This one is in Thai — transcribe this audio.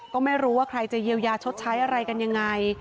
ก็ไม่รู้ว่าใครจะเยียวยาชดใช้อะไรกันยังไง